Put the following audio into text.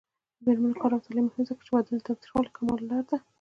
د میرمنو کار او تعلیم مهم دی ځکه چې ودونو تاوتریخوالي کمولو لاره ده.